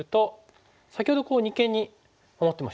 先ほど二間に守ってましたよね。